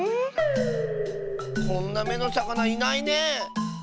こんな「め」のさかないないねえ。